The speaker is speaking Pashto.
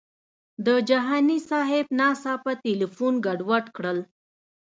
د جهاني صاحب ناڅاپه تیلفون ګډوډ کړل.